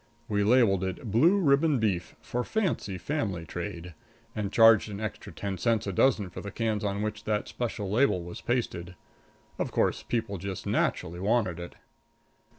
We labeled it "Blue Ribbon Beef For Fancy Family Trade," and charged an extra ten cents a dozen for the cans on which that special label was pasted. Of course, people just naturally wanted it.